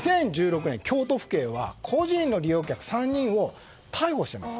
２０１６年、京都府警は個人の利用客３人を逮捕しています。